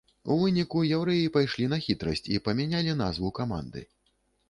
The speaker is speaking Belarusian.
У выніку яўрэі пайшлі на хітрасць і памянялі назву каманды.